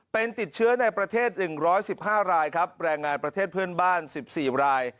เป็นติดเชื้อในประเทศ๑๑๕รายครับแรงงานประเทศเพื่อนบ้าน๑๔ราย